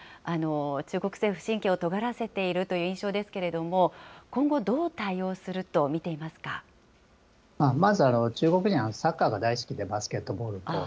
中国政府、神経をとがらせているという印象ですけれども、今後、まず、中国人はサッカーが大好きで、バスケットボールと。